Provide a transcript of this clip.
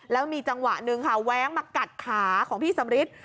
แล้วมีจังหวะหนึ่งค่ะแว้งมากัดขาของพี่สำริท